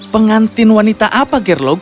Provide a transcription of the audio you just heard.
pengantin wanita apa gerlok